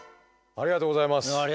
ありがとうございます。